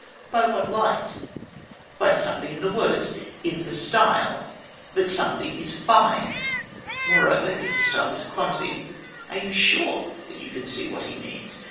By what light? By something in the words, in the style. That something is fine. Moreover, if the style is clumsy, are you sure that you can see what he means?